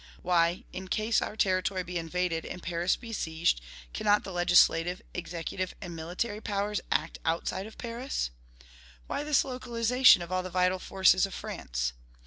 Why, in case our territory be invaded and Paris besieged, cannot the legislative, executive, and military powers act outside of Paris? Why this localization of all the vital forces of France?...